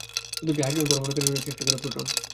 প্রতিটি হাইড্রোজেন পরমাণুর কেন্দ্রে রয়েছে একটি করে প্রোটন।